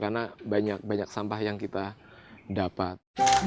karena banyak banyak sampah yang kita dapat